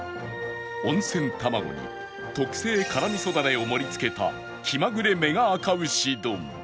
温泉卵に特製辛みそダレを盛り付けた気まぐれメガあか牛丼